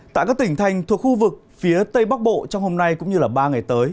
tại các tỉnh thành thuộc khu vực phía tây bắc bộ trong hôm nay cũng như ba ngày tới